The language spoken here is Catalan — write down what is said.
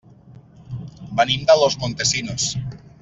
Venim de Los Montesinos.